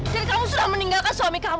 jadi kamu sudah meninggalkan suami kamu